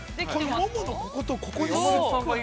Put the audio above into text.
もものこことここに、すっごい。